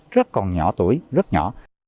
rất còn nhỏ tuổi rất nhỏ